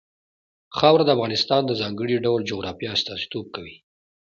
خاوره د افغانستان د ځانګړي ډول جغرافیه استازیتوب کوي.